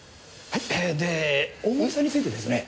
で大森さんについてですね。ん？